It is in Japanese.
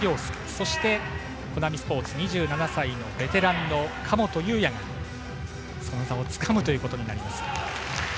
そしてコナミスポーツ２７歳のベテランの神本雄也がその座をつかむということになります。